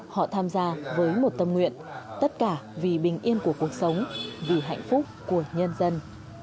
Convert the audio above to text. họ tham gia với một tâm nguyện tất cả vì bình yên của cuộc sống vì hạnh phúc của nhân dân